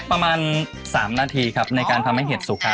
ประมาณ๓นาทีครับในการทำให้เห็ดสุกครับ